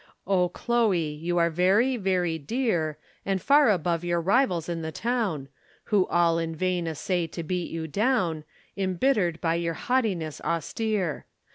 O Chloe, you are very, very dear, And far above your rivals in the town, Who all in vain essay to beat you down, Embittered by your haughtiness austere.